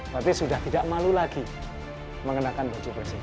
berarti sudah tidak malu lagi mengenakan baju bersih